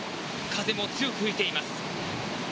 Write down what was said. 風も強く吹いています。